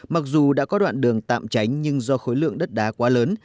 mặc dù đã có đoạn đường tạm tránh nhưng do khối lượng đất đá quá lớn